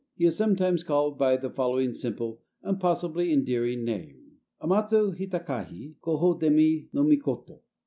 He is sometimes called by the following simple and possibly endearing name: Amatsuhitakahi Kohoho demi no Mikoto.